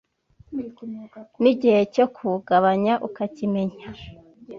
n’igihe cyo kuwugabanya ukakimenya